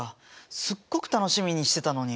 すっごく楽しみにしてたのに。